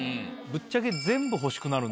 ぶっちゃけ。